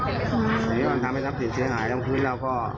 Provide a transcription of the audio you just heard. อย่างนี้มันทำให้ทรัพย์สินเสียหายทั้งพื้นแล้วก็